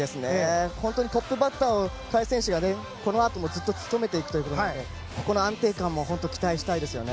トップバッターを萱選手がこのあともずっと務めていくのでそこの安定感も期待したいですね。